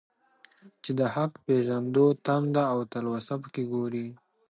چي د حق پېژندو تنده او تلوسه په كي گورې.